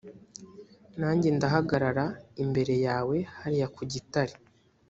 nanjye ndahagarara imbere yawe hariya ku gitare